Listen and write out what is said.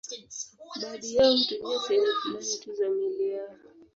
Baadhi yao hutumia sehemu fulani tu za miili yao.